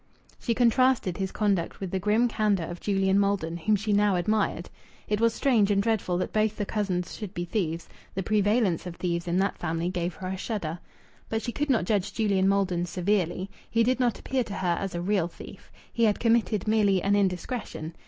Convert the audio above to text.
She contrasted his conduct with the grim candour of Julian Maldon, whom she now admired. It was strange and dreadful that both the cousins should be thieves; the prevalence of thieves in that family gave her a shudder. But she could not judge Julian Maldon severely. He did not appear to her as a real thief. He had committed merely an indiscretion.